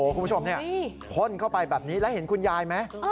คนเข้าไปแบบนี้แล้วเห็นคุณยายไหม